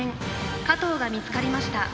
加藤が見つかりました。